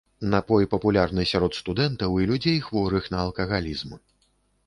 Напой папулярны сярод студэнтаў і людзей, хворых на алкагалізм.